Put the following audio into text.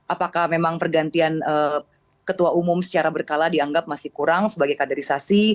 apakah memang pergantian ketua umum secara berkala dianggap masih kurang sebagai kaderisasi